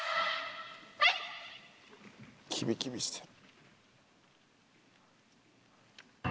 キビキビしてる。